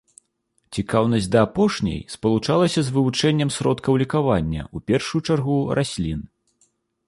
Цікаўнасць да апошняй спалучалася з вывучэннем сродкаў лекавання, у першую чаргу раслін.